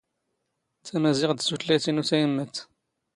ⵜⴰⵎⴰⵣⵉⵖⵜ ⴷ ⵜⵓⵜⵍⴰⵢⵜ ⵉⵏⵓ ⵜⴰⵢⵎⵎⴰⵜ.